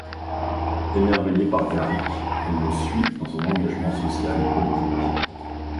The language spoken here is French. Émerveillée par Garric, elle le suit dans son engagement social et politique.